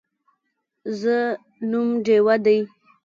زه نوم ډیوه دی